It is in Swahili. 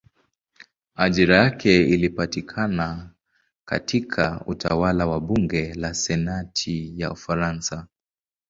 Ajira yake ilipatikana katika utawala wa bunge la senati ya Ufaransa.